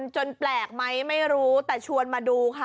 แปลกไหมไม่รู้แต่ชวนมาดูค่ะ